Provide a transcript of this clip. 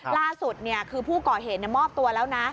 ล่าสุดคือผู้ก่อเหตุมอบตัวแล้วนะ